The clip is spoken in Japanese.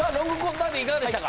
ダディいかがでしたか？